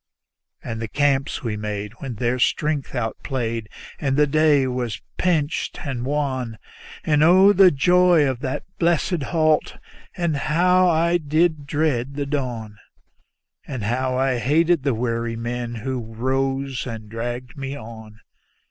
And the camps we made when their strength outplayed and the day was pinched and wan; And oh, the joy of that blessed halt, and how I did dread the dawn; And how I hated the weary men who rose and dragged me on.